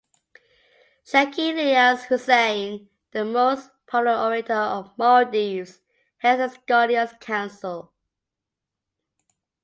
Sheikh Ilyas Hussain, the most popular orator of Maldives heads the scholar's council.